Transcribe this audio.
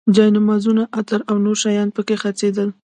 جاینمازونه، عطر او نور شیان په کې خرڅېدل.